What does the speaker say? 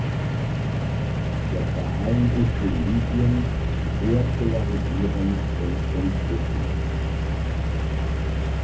Der Verein ist in Libyen sehr polarisierend und umstritten.